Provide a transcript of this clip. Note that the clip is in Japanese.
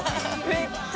めっちゃ。